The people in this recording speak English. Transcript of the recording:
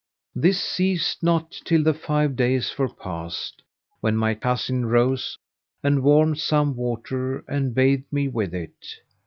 This ceased not till the five days were past, when my cousin rose and warmed some water and bathed me with it.